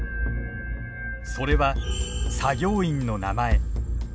それは作業員の名前。